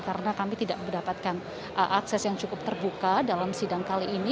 karena kami tidak mendapatkan akses yang cukup terbuka dalam sidang kali ini